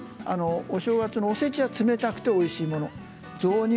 お正月のおせちは冷たくておいしいもの。